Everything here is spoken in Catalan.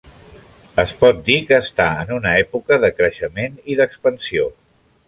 Es pot dir que està en una època de creixement i d'expansió.